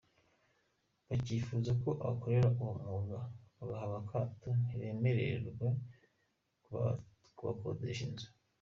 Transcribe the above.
Bakifuza ko abakora uwo mwuga bahabwa akato, ntibemererwe kuhakodesha inzu.